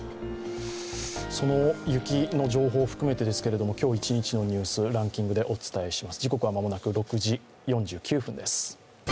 その雪の情報を含めて、今日一日のニュース、ランキングでお伝えします。